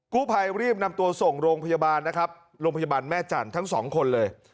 กู้ภัยรีบนำตัวส่งโรงพยาบาลนะครับโรงพยาบาลแม่จันทร์ทั้งสองคนเลย